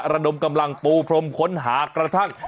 ระดมกำลังปูพรมค้นหากระทั่ง